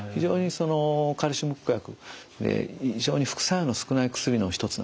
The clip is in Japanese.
カルシウム拮抗薬は非常に副作用の少ない薬の一つなんですね。